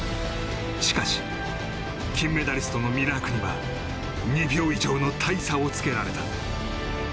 しかし、金メダリストのミラークには２秒以上の大差をつけられた。